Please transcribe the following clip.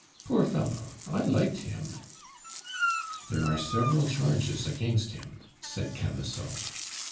"Poor fellow I liked him." "There are several charges against him," said Camusot.